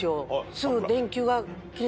すぐ？